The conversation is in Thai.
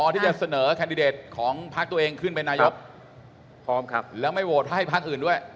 ที่จะเสนอแคนดิเดตของพักตัวเองขึ้นเป็นนายกพร้อมครับแล้วไม่โหวตให้พักอื่นด้วย